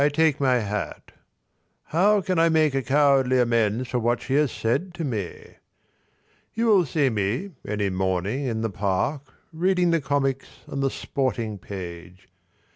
I take my hat: how can I make a cowardly amends For what she has said to me? You will see me any morning in the park Reading the comics and the sporting page.